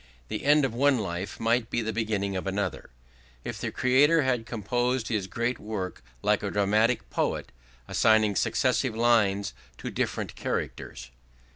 The end of one life might be the beginning of another, if the Creator had composed his great work like a dramatic poet, assigning successive lines to different characters.